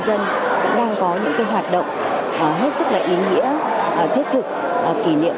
có thể nói những hoạt động này những hành trình về nguồn này đã giúp cho đoàn viên